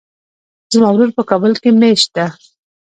زما ورور په کابل کې ميشت ده.